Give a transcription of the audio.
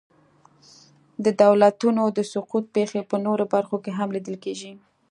د دولتونو د سقوط پېښې په نورو برخو کې هم لیدل کېږي.